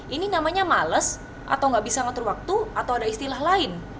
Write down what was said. ini namanya males atau nggak bisa ngatur waktu atau ada istilah lain